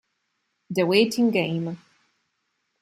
The Waiting Game